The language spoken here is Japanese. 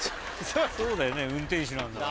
そうだよね運転手なんだから。